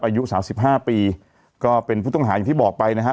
อายุสามสิบห้าปีก็เป็นผู้ต้องหาอย่างที่บอกไปนะฮะ